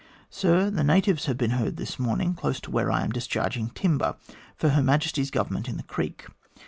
SIR, The natives have been heard this morning, close to where I am discharging timber for Her Majesty's Government in the creek.